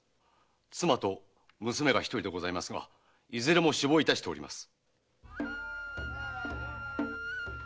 妻と娘がひとりでございますがいずれも死亡いたしております。